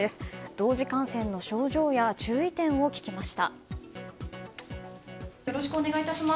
同時感染の症状や注意点を聞きました。